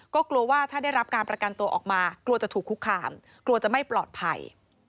ก็กลัวว่าถ้าได้รับการประกันตัวออกมากลัวจะถูกคุกคามกลัวจะไม่ปลอดภัย